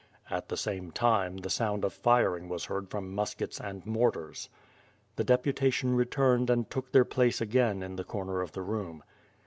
At the same time, the sound of firing was heard from mus kets and "mortars/' The deputation returned and took their place again in the corner of the room.